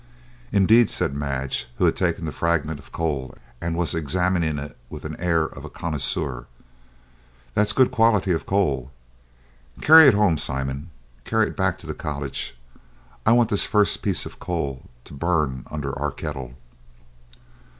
"Indeed," said Madge, who had taken the fragment of coal and was examining it with the air of a connoisseur; "that's good quality of coal. Carry it home, Simon, carry it back to the cottage! I want this first piece of coal to burn under our kettle."